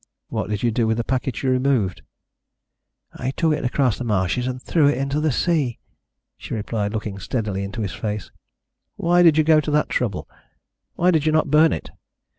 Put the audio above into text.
"What did you do with the packet you removed?" "I took it across the marshes and threw it into the sea," she replied, looking steadily into his face. "Why did you go to that trouble? Why did you not burn it?"